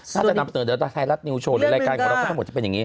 ถ้าจะนำเสนอเดี๋ยวไทยรัฐนิวโชว์หรือรายการของเราก็ทั้งหมดจะเป็นอย่างนี้